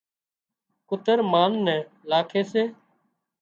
ڪُتر مال نين لاکي سي